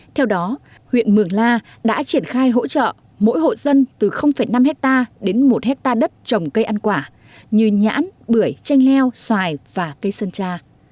theo đó huyện mường la đã triển khai hỗ trợ mỗi hộ dân từ năm hectare đến một hectare đất trồng cây ăn quả như nhãn bưởi chanh leo xoài và cây sơn tra